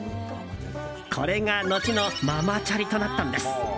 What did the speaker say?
これが後のママチャリとなったんです。